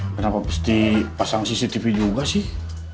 kenapa mesti pasang cctv juga sih